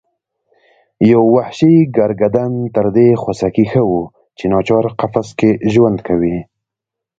یو وحشي ګرګدن تر دې خوسکي ښه و چې ناچار قفس کې ژوند کوي.